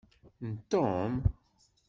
N Tom?